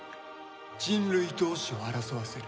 人類同士を争わせる。